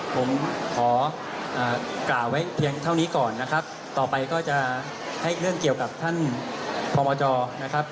ผมขอกล่าวไว้เพียงเท่านี้ก่อนนะครับต่อไปก็จะให้เรื่องเกี่ยวกับท่านพมจนะครับ